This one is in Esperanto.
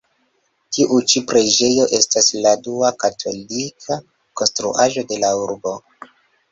Tiu ĉi preĝejo estas la dua katolika konstruaĵo de la urbo.